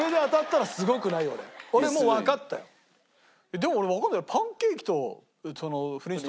でも俺わかんない。